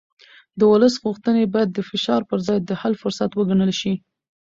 د ولس غوښتنې باید د فشار پر ځای د حل فرصت وګڼل شي